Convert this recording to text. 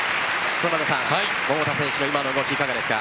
園田さん、桃田選手の今の動きいかがですか？